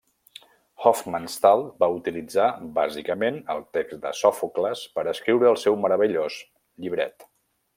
Hofmannsthal va utilitzar, bàsicament, el text de Sòfocles per escriure el seu meravellós llibret.